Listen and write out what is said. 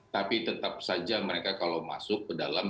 tapi tetap saja mereka kalau masuk ke dalam